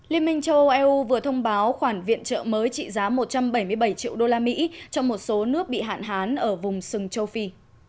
liên minh châu âu eu vừa thông báo khoản viện trợ mới trị giá một trăm bảy mươi bảy triệu đô la mỹ cho một số nước bị hạn hán ở vùng sừng châu phi